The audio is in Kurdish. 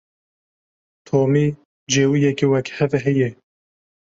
Tomî cêwiyekî wekhev heye.